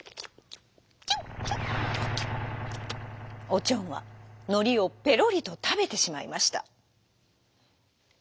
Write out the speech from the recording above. おちょんはのりをぺろりとたべてしまいました。